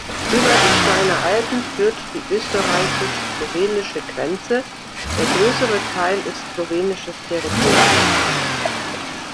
Über die Steiner Alpen führt die österreichisch-slowenische Grenze, der größere Teil ist slowenisches Territorium.